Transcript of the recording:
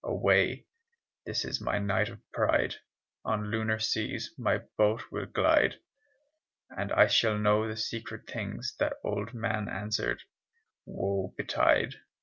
Away, this is my night of pride! On lunar seas my boat will glide And I shall know the secret things." The old man answered: "Woe betide!"